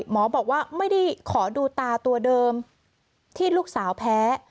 หมอบอกว่าไม่ได้ขอดูตาตัวเดิมที่ลูกสาวแพ้